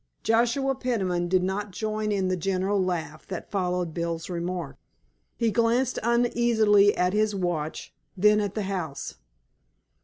Joshua Peniman did not join in the general laugh that followed Bill's remark. He glanced uneasily at his watch, then at the house.